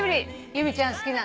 由美ちゃんの好きな。